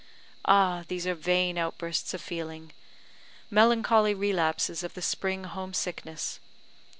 Ah, these are vain outbursts of feeling melancholy relapses of the spring home sickness!